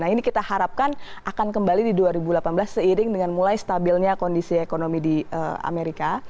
nah ini kita harapkan akan kembali di dua ribu delapan belas seiring dengan mulai stabilnya kondisi ekonomi di amerika